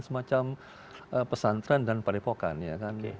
semacam pesantren dan pak depokan ya kan